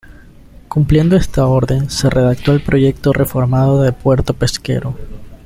Cumpliendo esta orden se redactó el "Proyecto reformado de Puerto Pesquero".